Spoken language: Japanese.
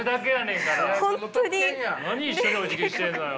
何一緒におじぎしてんのよ。